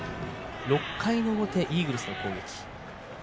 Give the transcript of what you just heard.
６回の表イーグルスの攻撃。